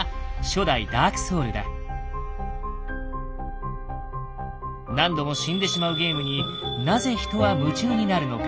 何度も死んでしまうゲームになぜ人は夢中になるのか？